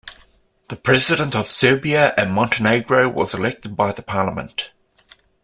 The president of Serbia and Montenegro was elected by the parliament.